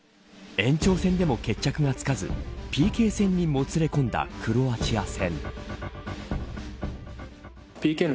延長戦でも決着がつかずＰＫ戦にもつれ込んだクロアチア戦。